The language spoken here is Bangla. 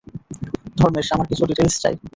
ধর্মেশ, আমার কিছু ডিটেইলস চাই।